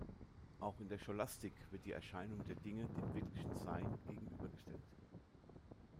Auch in der Scholastik wird die Erscheinung der Dinge dem wirklichen Sein gegenübergestellt.